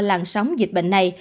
làn sóng dịch bệnh này